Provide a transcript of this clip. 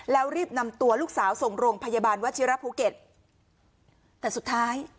แล้วรีบนำตัวลูกสาวส่งโรงพยาบาลวชิระภูเก็ตแต่สุดท้าย